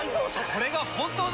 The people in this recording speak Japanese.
これが本当の。